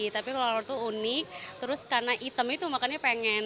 tapi lolor itu unik terus karena hitam itu makannya pengen